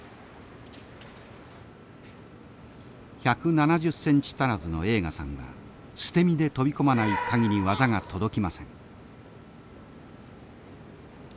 １７０ｃｍ足らずの栄花さんは捨て身で飛び込まないかぎり技が届きません。